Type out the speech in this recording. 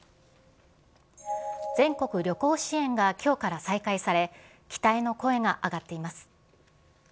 全国旅行支援がきょうから再開され、期待の声が上がっています。